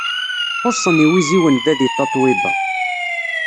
Xuṣṣen yiwiziwen da di tatoeba.